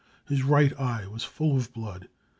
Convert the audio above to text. His right eye was full of blood.